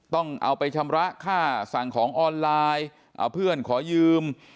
ต้องเอาไปชำระค่าสั่งของออนไลน์เอาเพื่อนขอยืม